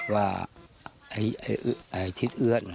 ว่าไอ้ทิศเอื้อน